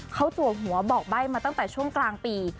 เขาจัวหัวบอกใบ้มาตั้งแต่ช่วงกลางปี